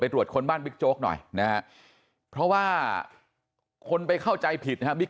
ตรวจคนบ้านบิ๊กโจ๊กหน่อยนะฮะเพราะว่าคนไปเข้าใจผิดนะครับบิ๊ก